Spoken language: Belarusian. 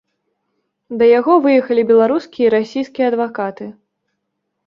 Да яго выехалі беларускі і расійскі адвакаты.